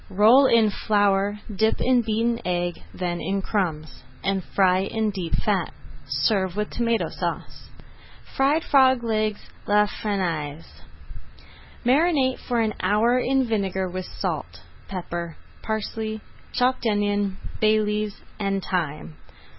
Roll in flour, dip in beaten egg, then in crumbs, and fry in deep fat. Serve with Tomato Sauce. FRIED FROG LEGS À LA FRANÇAISE Marinate for an hour in vinegar with salt, pepper, parsley, chopped onion, bay leaves, and thyme.